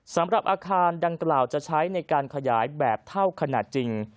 สำหรับอาคารดังกล่าวจะใช้ในการขยายแบบเท่าขนาดจริง